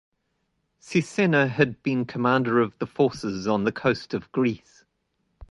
Sisenna had been commander of the forces on the coast of Greece.